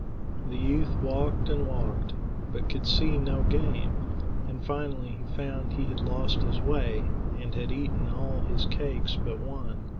The youth walked and walked, but could see no game, and finally he found that he had lost his way, and had eaten all his cakes but one.